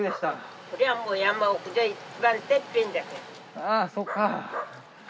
あぁそうか。